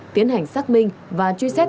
tiến hành xác minh và truy xét